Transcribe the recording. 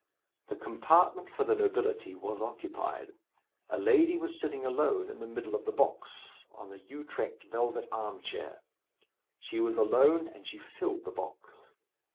The compartment for the nobility was occupied. A lady was sitting alone in the middle of the box, on the Utrecht velvet arm chair. She was alone, and she filled the box.